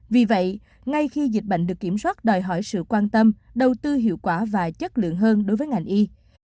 vì vậy ngay khi dịch bệnh được kiểm soát đòi hỏi sự quan tâm đầu tư hiệu quả và chất lượng hơn đối với ngành y